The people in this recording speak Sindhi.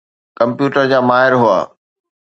ڪمپيوٽر جا ماهر هئا.